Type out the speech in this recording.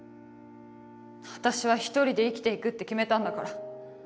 私は一人で生きて行くって決めたんだから。